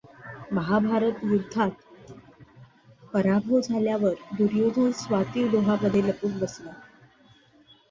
महाभारत युद्धात पराभव झाल्यावर दुर्योधन स्वाती डोहामध्ये लपून बसला.